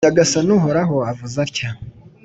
Nyagasani Uhoraho avuze atya :